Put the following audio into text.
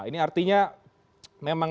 ini artinya memang